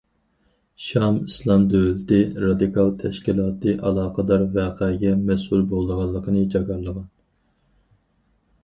« شام ئىسلام دۆلىتى» رادىكال تەشكىلاتى ئالاقىدار ۋەقەگە مەسئۇل بولىدىغانلىقىنى جاكارلىغان.